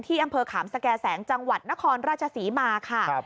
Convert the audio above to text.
อำเภอขามสแก่แสงจังหวัดนครราชศรีมาค่ะ